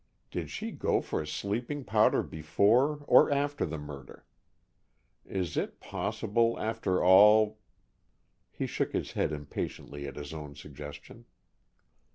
Did she go for a sleeping powder before or after the murder? Is it possible after all " He shook his head impatiently at his own suggestion.